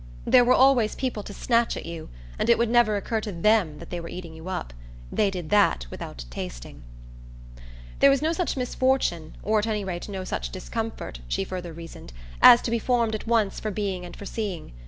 There were always people to snatch at you, and it would never occur to THEM that they were eating you up. They did that without tasting. There was no such misfortune, or at any rate no such discomfort, she further reasoned, as to be formed at once for being and for seeing.